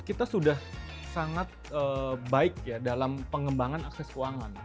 kita sudah sangat baik ya dalam pengembangan akses keuangan